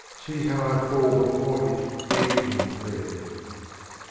See how I fall before it deep in prayer.